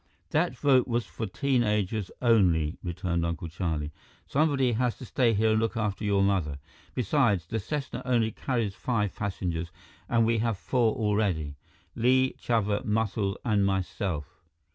"That vote was for teenagers only," returned Uncle Charlie. "Somebody has to stay here and look after your mother. Besides, the Cessna only carries five passengers and we have four already: Li, Chuba, Muscles, and myself."